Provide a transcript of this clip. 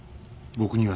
僕には。